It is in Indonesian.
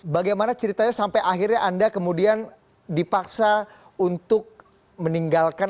bagaimana ceritanya sampai akhirnya anda kemudian dipaksa untuk meninggalkan